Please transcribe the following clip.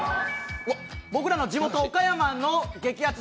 僕らの地元・岡山の激アツ